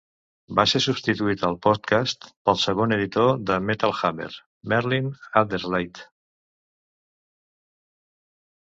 Va ser substituït al Podcast pel segon editor de Metal Hammer, Merlin Alderslade.